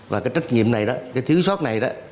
và cái trách nhiệm này đó cái thiếu sót này đó